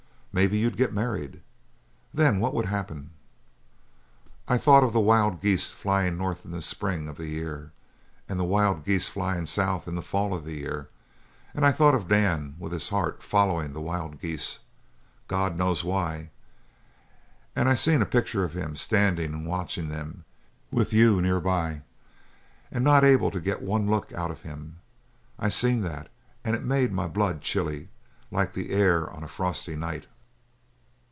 Maybe you'd get married. Then what would happen? "I thought of the wild geese flyin' north in the spring o' the year and the wild geese flyin' south in the fall o' the year. And I thought of Dan with his heart followin' the wild geese God knows why! and I seen a picture of him standin' and watchin' them, with you nearby and not able to get one look out of him. I seen that, and it made my blood chilly, like the air on a frosty night.